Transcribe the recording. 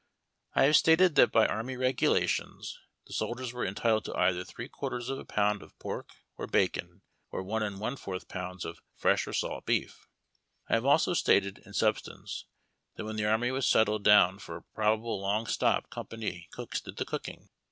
I have stated that by Army Regulations the soldiers were entitled to either three quarters of a jiound of pork or bacon oi one and one fourth pounds of fresh or salt beef. I have also stated, in substance, that when the army was settled down for a probable long stop company cooks did the cook ing.